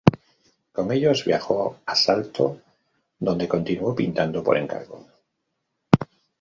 Con ellos viajó a Salto, donde continuó pintando por encargo.